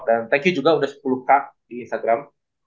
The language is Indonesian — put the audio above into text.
dan thank you juga udah sepuluh k di instagram